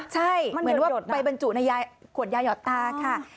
ใช่เหมือนว่าไปบรรจุในขวดยาหยอดตาค่ะ